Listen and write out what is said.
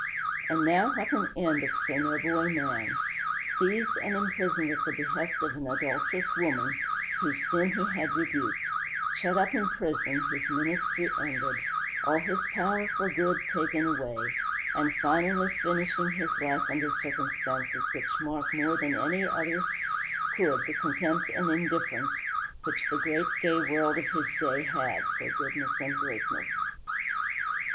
And now what an end of so noble a man! Seized and imprisoned at the behest of an adulterous woman whose sin he had rebuked, shut up in prison, his ministry ended, all his power for good taken away, and finally finishing his life under circumstances which mark more than any other could the contempt and indifference which the great gay world of his day had for goodness and greatness!